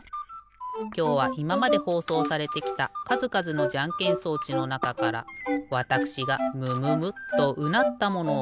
きょうはいままでほうそうされてきたかずかずのじゃんけん装置のなかからわたくしがムムムッとうなったものをごしょうかい。